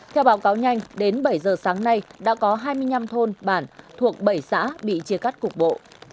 theo báo cáo nhanh đến bảy giờ sáng nay đã có hai mươi năm thôn bản thuộc bảy xã bị chia cắt cục bộ